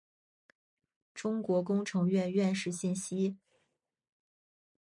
中国工程院院士信息